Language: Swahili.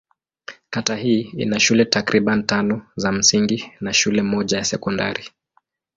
Kata hii ina shule takriban tano za msingi na shule moja ya sekondari.